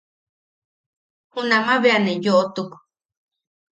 Junama bea ne yoʼotuk.